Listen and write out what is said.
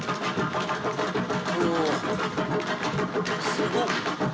すごっ！